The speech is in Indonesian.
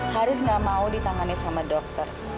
haris tidak mau ditangani sama dokter